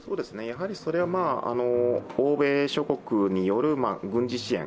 それは欧米諸国による軍事支援。